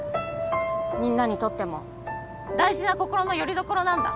みんなにとっても大事な心のよりどころなんだ。